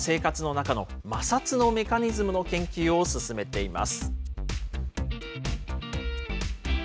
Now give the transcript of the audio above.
身近な生活の中の摩擦のメカニズムの研究を進めています。